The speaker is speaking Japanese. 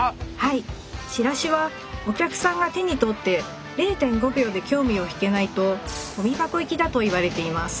チラシはお客さんが手に取って０．５秒で興味をひけないとゴミ箱行きだといわれています。